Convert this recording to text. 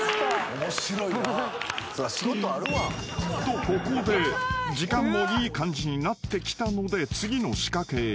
［とここで時間もいい感じになってきたので次の仕掛けへ］